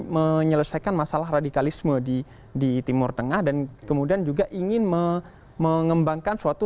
menyelesaikan masalah radikalisme di timur tengah dan kemudian juga ingin mengembangkan suatu